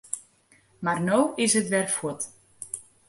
Mar no is it wer fuort.